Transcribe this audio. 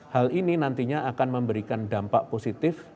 hal ini nantinya akan memberikan dampak positif